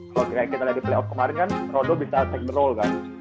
kalo kayak kita liat di playoff kemarin kan rondo bisa take the role kan